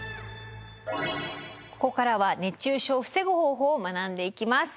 ここからは熱中症を防ぐ方法を学んでいきます。